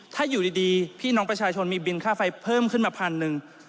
ถ้าอยู่ดีพี่น้องประชาชนมีบินค่าไฟเพิ่มขึ้นมาพันหนึ่ง